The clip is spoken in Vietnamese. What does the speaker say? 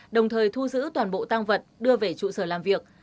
đồng thời thu giữ toàn bộ tăng vật đưa về trụ sở làm việc